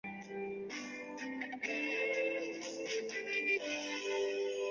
滥用权力也意味着有人使用他已有的权力谋取私利。